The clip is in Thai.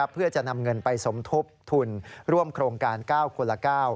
เพื่อจะนำเงินไปสมทบทุนร่วมโครงการ๙คนละ๙